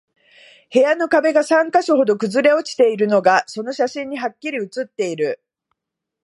部屋の壁が三箇所ほど崩れ落ちているのが、その写真にハッキリ写っている